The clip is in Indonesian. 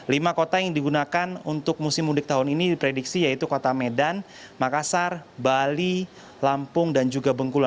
lima kota yang digunakan untuk musim mudik tahun ini diprediksi yaitu kota medan makassar bali lampung dan juga bengkulu